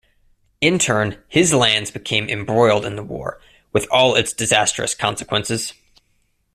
In turn, his lands became embroiled in the war, with all its disastrous consequences.